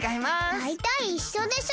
だいたいいっしょでしょ？